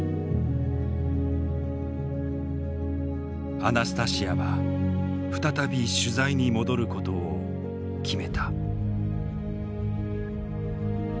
アナスタシヤは再び取材に戻ることを決めた。